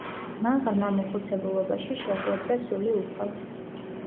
მან ღრმა მოხუცებულობაში შეჰვედრა სული უფალს.